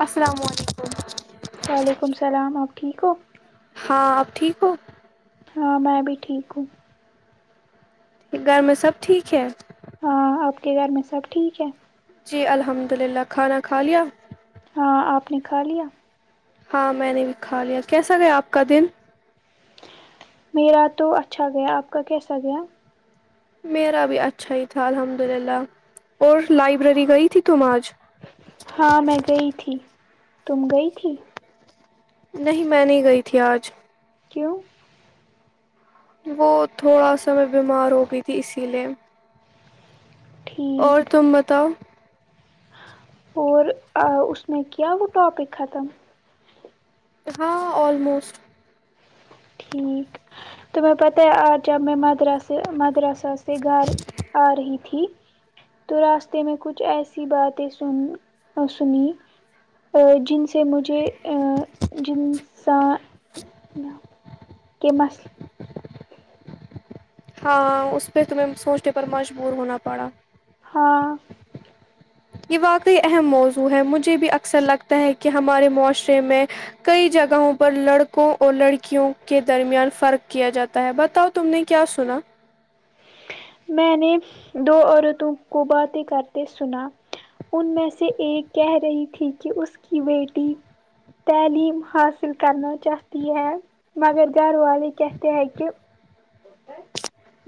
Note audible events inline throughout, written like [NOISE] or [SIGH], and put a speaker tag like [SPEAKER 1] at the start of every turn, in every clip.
[SPEAKER 1] السلام علیکم
[SPEAKER 2] وعلیکم السلام آپ ٹھیک ہو
[SPEAKER 1] ہاں آپ ٹھیک ہو
[SPEAKER 2] ہاں میں بھی ٹھیک ہوں
[SPEAKER 1] گھر میں سب ٹھیک ہے
[SPEAKER 2] ہاں آپ کے گھر میں سب ٹھیک ہے
[SPEAKER 1] جی الحمد للہ کھانا کھا لیا
[SPEAKER 2] ہاں آپ نے کھا لیا
[SPEAKER 1] ہاں میں نے بھی کھا لیا کیسا گیا آپ کا دن
[SPEAKER 2] میرا تو اچھا گیا آپ کا کیسا گیا
[SPEAKER 1] میرا بھی اچھا ہی تھا الحمد للہ اور لائبریری گئی تھی تم آج
[SPEAKER 2] ہاں میں گئی تھی تم گئی تھی
[SPEAKER 1] نہیں میں نہیں گئی تھی آج
[SPEAKER 2] سکوں
[SPEAKER 1] وہ تھوڑا سا میں بیمار ہو گئی تھی اسی لیے
[SPEAKER 2] ٹھیک
[SPEAKER 1] اور تم بتاؤ
[SPEAKER 2] اور اس میں کیا وہ ٹاپک ختم
[SPEAKER 1] ہاں آلموسٹ
[SPEAKER 2] توم پتاہ ہے آج جب میں مدراس مدراسہ سے گھر آ رہی تھی تو راستے میں کچھ ایسی باتیں سن سنی جن سے مجھے ا جن قمس
[SPEAKER 1] ہاں اس پہ تمہیں سوچنے پر مجبور ہونا پڑا
[SPEAKER 2] ہاں
[SPEAKER 1] یہ واقعی اہم موضوع ہے مجھے بھی اکثر لگتا ہے کہ ہمارے معاشرے میں کئی جگہوں پر لڑکوں اور لڑکیوں کے درمیان فرق کیا جاتا ہے بتاؤ تم نے کیا سنا
[SPEAKER 2] میں نے دو عورتوں کو باتیں کرتے سنا ان میں سے ایک کہہ رہی تھی کہ اس کی بیٹی تعلیم حاصل کرنا چاہتی ہے مگر گھر والے کہتے ہیں کہ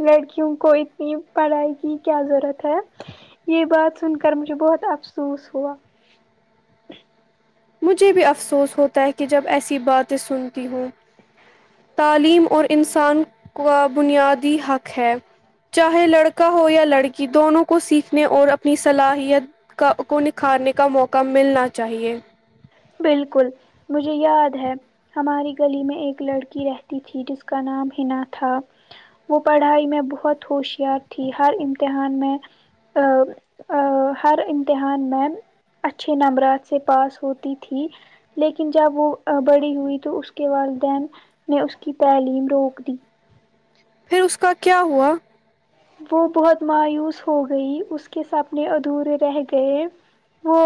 [SPEAKER 2] لڑکیوں کو اتنی پڑھائی کی کیا ضرورت ہے یہ بات سن کر مجھے بہت افسوس ہوا
[SPEAKER 1] مجھے بھی افسوس ہوتا ہے کہ جب ایسی باتیں سنتی ہوں تعلیم اور انسان کا بنیادی حق ہے چاہے لڑکا ہو یا لڑکی دونوں کو سیکھنے اور اپنی صلاحیت کا کو نکھارنے کا موقع ملنا چاہیے
[SPEAKER 2] بالکل مجھے یاد ہے ہماری گلی میں ایک لڑکی رہتی تھی جس کا نام حنا تھا وہ پڑھائی میں بہت ہوشیار تھی ہر امتحان میں ا ہر امتحان میں اچھے نمبرات سے پاس ہوتی تھی لیکن جب وہ بڑی ہوئی تو اس کے والدین نے اس کی تعلیم روک دی
[SPEAKER 1] پھر اس کا کیا ہوا؟
[SPEAKER 2] وہ بہت مایوس ہو گئی اس کے سپنے ادھورے رہ گئے وہ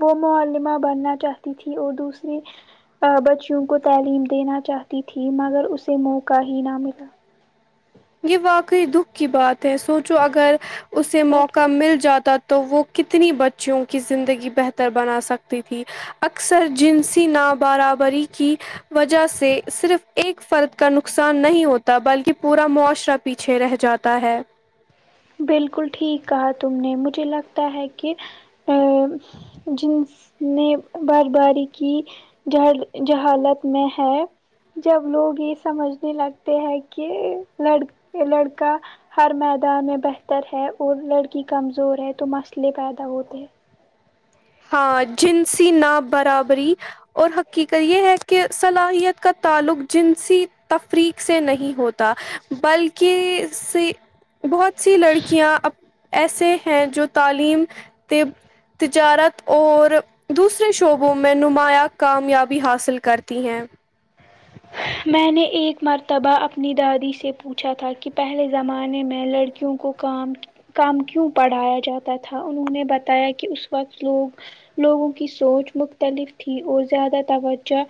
[SPEAKER 2] وہ معمہ بننا چاہتی تھی اور دوسریے بچیوں کو تعلیم دینا چاہتی تھی مگر اسے موقع ہی نہ ملا
[SPEAKER 1] یہ واقعی دکھ کی بات ہے سوچو اگر اسے
[SPEAKER 2] بیٹھو
[SPEAKER 1] موقع مل جاتا تو وہ کتنی بچیوں کی زندگی بہتر بنا سکتی تھی اکثر جنسی ن برابری کی وجہ سے صرف ایک فرد کا نقصان نہیں ہوتا بلکہ پورا معاش شرا پیچھے رہ جاتا ہے
[SPEAKER 2] بالکل ٹھیک کہا تم نے مجھے لگتا ہے کہ ا جن نے بر باری کی ج جہالت میں ہے جب لوگ یہ سمجھنے لگتے ہیں کہ ل لڑکا ہر میدان میں بہتر ہے اور لڑکی کمزور ہے تو مسئلے پیدا ہوتے ہیں
[SPEAKER 1] ہاں جنسی ن برابری اور حقیقت یہ ہے کہ صلاحیت کا تعلق جنسی تفریق سے نہیں ہوتا بلکہ سے بہت سی لڑکیاں ایسے ہیں جو تعلیم تجارت اور دوسرے شعبوں میں نمایاں کامیابی حاصل کرتی ہیں
[SPEAKER 2] میں نے ایک مرتبہ اپنی دادی سے پوچھا تھا کہ پہلے زمانے میں لڑکیوں کو کام کام کیوں پڑھایا جاتا تھا انہوں نے بتایا کہ اس وقت لوگ لوگوں کی سوچ مختلف تھی اور زیادہ توجہ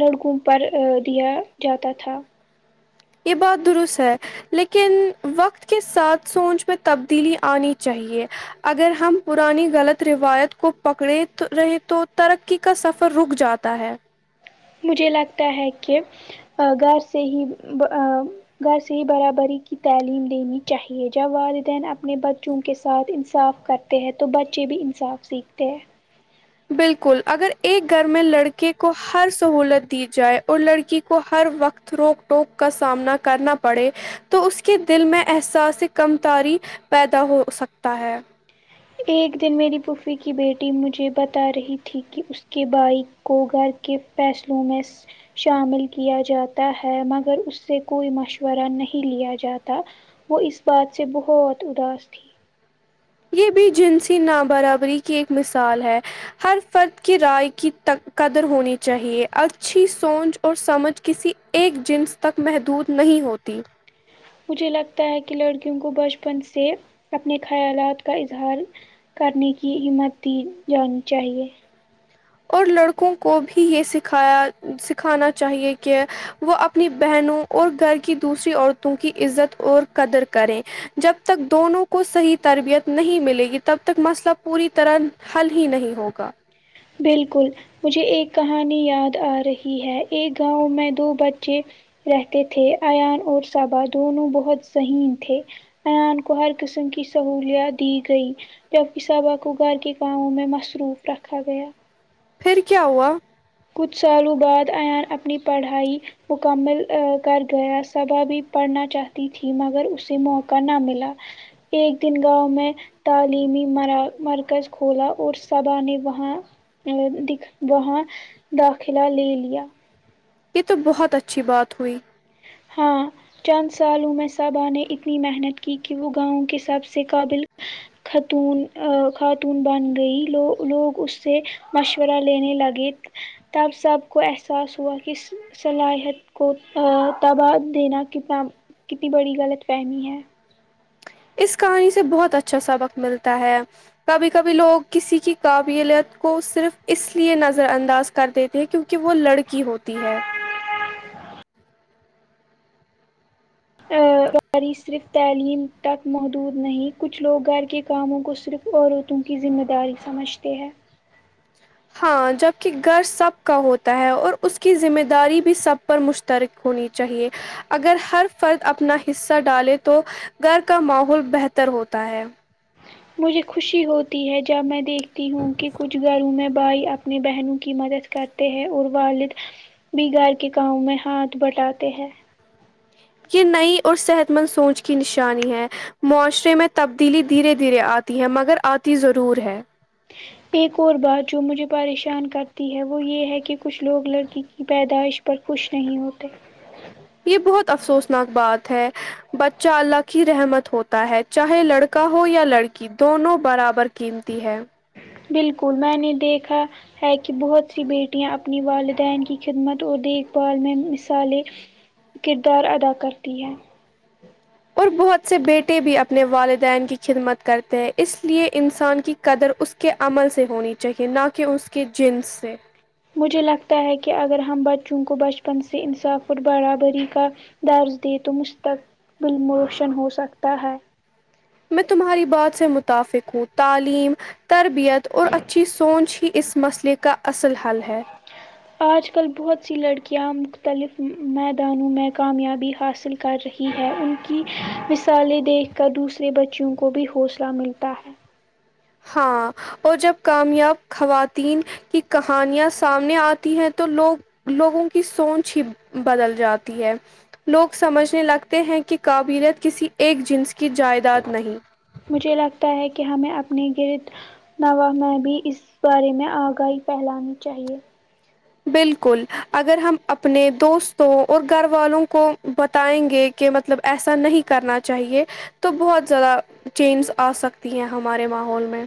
[SPEAKER 2] لڑکوں پر دیا جاتا تھا
[SPEAKER 1] یہ بات درست ہے لیکن وقت کے ساتھ سوچ میں تبدیلی آنی چاہیے اگر ہم پرانی غلط روایت کو پکڑے رہے تو ترقی کا سفر رک جاتا ہے
[SPEAKER 2] مجھے لگتا ہے کہ گھر سے ہی گھر سے ہی برابری کی تعلیم دینی چاہیے جب والدین اپنے بچوں کے ساتھ انصاف کرتے ہیں تو بچے بھی انصاف سیکھتے ہیں
[SPEAKER 1] بالکل اگر ایک گھر میں لڑکے کو ہر سہولت دی جائے اور لڑکی کو ہر وقت روک ٹوک کا سامنا کرنا پڑے تو اس کے دل میں احساس کم تاری پیدا ہو سکتا ہے
[SPEAKER 2] ایک دن میری پھوفھی کی بیٹی مجھے بتا رہی تھی کہ اس کے بھائی کو گھر کے فیصلوں میں شامل کیا جاتا ہے مگر اس سے کوئی مشورہ نہیں لیا جاتا وہ اس بات سے بہت اداس تھی
[SPEAKER 1] یہ بھی جنسی ن برابری کی ایک مثال ہے ہر فرد کی رائے کی قدر ہونی چاہیئے اچھی سوچ اور سمجھ کسی ایک جنس تک محدود نہیں ہوتی
[SPEAKER 2] مجھے لگتا ہے کہ لڑکیوں کو بچپن سے اپنے خیالات کا اظہار کرنے کی ہمت دی جانی چاہیے
[SPEAKER 1] اور لڑکوں کو بھی یہ سکھایا سکھانا چاہیئے کہ وہ اپنی بہنوں اور گھر کی دوسری عورتوں کی عزت اور قدر کریں جب تک دونوں کو صحیح تربیت نہیں ملے گی تب تک مسئلہ پوری طرح حل ہی نہیں ہوگا
[SPEAKER 2] بالکل مجھے ایک کہانی یاد آ رہی ہے ایک گاؤں میں دو بچے رہتے تھے ایان اور صبا دونوں بہت ذہین تھے ایان کو ہر قسم کی سہولیات دی گئی جبکہ صبا کو گھر کے گاؤوں میں مصروف رکھا گیا
[SPEAKER 1] پھر کیا ہوا
[SPEAKER 2] کچھ سالوں بعد ایان اپنی پڑھائی مکمل کر گیا سبھا بھی پڑھنا چاہتی تھی مگر اسے موقع نہ ملا ایک دن گاؤں میں تعلیمی مر مرکز کھولا اور سبھا نے وہاں د وہاں داخلہ لے لیا
[SPEAKER 1] یہ تو بہت اچھی بات ہوئی
[SPEAKER 2] ہاں چند سالوں میں میں صابا نے اتنی محنت کی کہ وہ گاؤں کے سب سے قابل خاتون خاتون بن گئی لو لوگ اس سے مشورہ لینے لگے تب سب کو احساس ہوا کہ صلاحیت کو تباد دینا کنا کتنی بڑی غلط فہمی ہے [UNINTELLIGIBLE]
[SPEAKER 1] اس کہانی سے بہت اچھا سبق ملتا ہے کبھی کبھی لوگ کسی کی قابلیت کو صرف اس لیے نظر انداز کر دیتے ہیں کیونکہ کہ وہ لڑکی ہوتی ہے [UNINTELLIGIBLE]
[SPEAKER 2] قاری صرف تعلیم تک محدود نہیں کچھ لوگ گھر کے کاموں کو صرف عورتوں کی ذمہ داری سمجھتے ہیں [UNINTELLIGIBLE]
[SPEAKER 1] ہاں جبک گھر سب کا ہوتا ہے اور اس کی ذمہ داری بھی سب پر مشترک ہونی چاہیے اگر ہر فرد اپنا حصہ ڈالے تو گھر کا ماحول بہتر ہوتا ہے
[SPEAKER 2] مجھے خوشی ہوتی ہے جب میں دیکھتی ہوں کہ کچھ گھروں میں بھائی اپنے بہنوں کی مدد کرتے ہیں اور والد بھی گھر کے کاؤ میں ہاتھ بٹاتے ہیں
[SPEAKER 1] یہ نئی اور صحت مند سوچ کی نشانی ہے معاشرے میں تبدیلی دھیرے دھیرے آتی ہے مگر آتی ضرور ہے
[SPEAKER 2] ایک اور بات جو مجھے پریشان کرتی ہے وہ یہ ہے کہ کچھ لوگ لڑکی کی پیدائش پر خوش نہیں ہوتے
[SPEAKER 1] یہ بہت افسوسناک بات ہے بچہ اللہ کی رحمت ہوتا ہے چاہے لڑکا ہو یا لڑکی دونوں برابر قیمتی ہے
[SPEAKER 2] بالکل میں نے دیکھا [UNINTELLIGIBLE] ہے کہ بہت سی بیٹیاں اپنی والدین کی خدمت اور دیکھ بھال میں مثالیں کردار ادا کرتی ہیں [INAUDIBLE]
[SPEAKER 1] اور بہت سے بیٹے بھی اپنے والدین کی خدمت کرتے ہیں اس لیئے انسان کی قدر اس کے عمل سے ہونی چاہیے نہ کہ اس کے جنس سے
[SPEAKER 2] مجھے لگتا ہے کہ اگر ہم بچوں کو بچپن سے انصاف اور برابری کا درج دیں تو مستقبلموشن ہوسکتا ہے
[SPEAKER 1] میں تمہاری بات سے متفق ہوں تعلیم تربیت اور اچھی سوچ ہی اس مسئلے کا اصل حل ہے
[SPEAKER 2] آج کل بہت سی لڑکیاں مختلف میدانوں میں کامیابی حاصل کر رہی ہیں ان کی مثالیں دیکھ کر دوسرے بچیوں کو بھی حوصلہ ملتا ہے
[SPEAKER 1] ہاں اور جب کامیاب خواتین کی کہانیاں سامنے آتی ہیں تو لوگ لوگوں کی سوچ ہی بدل جاتی ہے لوگ سمجھنے لگتے ہیں کہ قابلیت کسی ایک جنس کی جائیداد نہیں
[SPEAKER 2] مجھے لگتا ہے کہ ہمیں اپنے گرد نوا میں بھی اس بارے میں آگاہی پھیلانی چاہیے
[SPEAKER 1] بالکل اگر ہم اپنے دوستوں اور گھر والوں کو بتائیں گے کہ مطلب ایسا نہیں کرنا چاہیے تو بہ [INAUDIBLE] زیادہ چینج آ سکتی ہیں ہمارے ماحول میں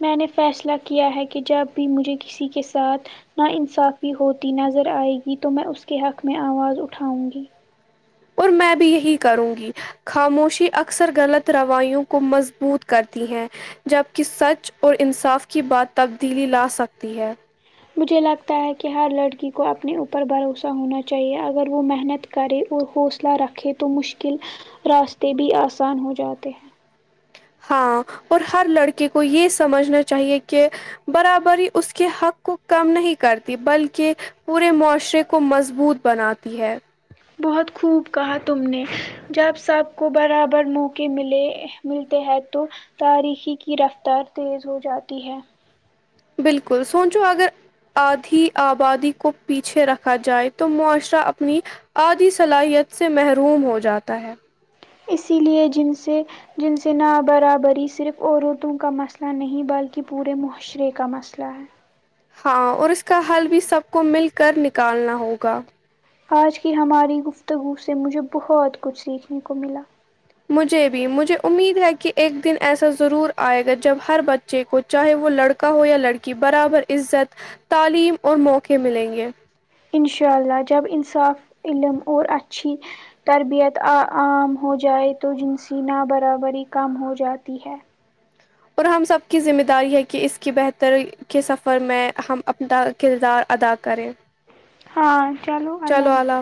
[SPEAKER 2] میں نے فیصلہ کیا ہے کہ جب بھی مجھے کسی کے ساتھ ناانصافی ہوتی نظر آئے گی تو میں اس کے حق میں آواز اٹھاؤں گی [UNINTELLIGIBLE]
[SPEAKER 1] اور میں بھی یہی کروں گی خاموشی اکثر غلط روایوں کو مضبوط کرتی ہیں جبک سچ اور انصاف کی بات تبدیلی لا سکتی ہے [UNINTELLIGIBLE]
[SPEAKER 2] مجھے لگتا ہے کہ ہر لڑکی کو اپنے اوپر بھروسہ ہونا چاہیے اگر وہ محنت کرے اور حوصلہ رکھے تو مشکل راستے بھی آسان ہو جاتے ہیں
[SPEAKER 1] ہاں اور ہر لڑکے کو یہ سمجھنا چاہیے کہ برابری اس کے حق کو کم نہیں کرتی بلکہ پورے معاشرے کو مضبوط بناتی ہے
[SPEAKER 2] بہت خوب کہا تم نے جب سب کو برابر موقعے ملے ملتے ہیں تو تاریخی کی رفتار تیز ہو جاتی ہے
[SPEAKER 1] بالکل سوچو اگر آدھی آبادی کو پیچھے رکھا جائے [INAUDIBLE] تو معاشرہ اپنی آدھی صلاحیت سے محروم ہو جاتا ہے
[SPEAKER 2] اسی لئے جن سے ن برابری صرف عورتوں کا مسئلہ نہیں بلکہ پورے معاشرے کا مسئلہ ہے
[SPEAKER 1] ہاں اور اس کا حل بھی سب کو مل کر نکالنا ہوگا
[SPEAKER 2] آج کی ہماری گفتگو سے مجھے بہت کچھ سیکھنے کو ملا
[SPEAKER 1] مجھے بھی مجھے امید ہے کہ ایک دن ایسا ضرور آئے گا جب ہر بچے کو چاہے وہ لڑکا ہو یا لڑکی برابر عزت تعلیم اور موقعے ملیں گے
[SPEAKER 2] انشاء اللہ جب انصاف علم اور اچھی تربیت عام ہو جائے تو جنسی نا برابری کم ہو جاتی ہے
[SPEAKER 1] اور ہم سب کی ذمہ داری ہے کہ اس کی بہتری کے سفر میں ہم اپنا کردار ادا کریں
[SPEAKER 2] ہاں چلو اللہ حافظ